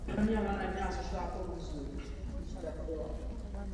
Po matce má Alena rakouské předky.